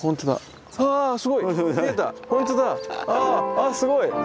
あすごい。